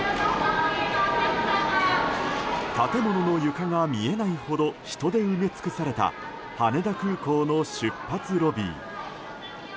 建物の床が見えないほど人で埋め尽くされた羽田空港の出発ロビー。